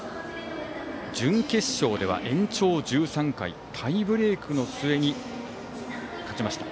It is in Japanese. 準決勝では延長１３回タイブレークの末に勝ちました。